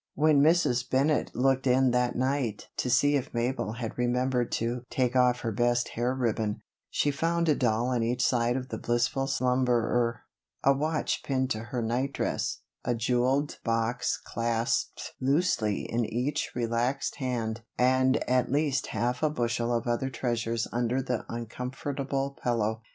When Mrs. Bennett looked in that night to see if Mabel had remembered to take off her best hair ribbon, she found a doll on each side of the blissful slumberer, a watch pinned to her nightdress, a jeweled box clasped loosely in each relaxed hand and at least half a bushel of other treasures under the uncomfortable pillow.